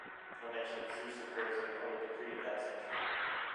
No mention of Zeus occurs in the public decree of that century.